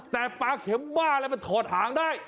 แต่ปลาเข็มบ้าอะไรมันถอดหางได้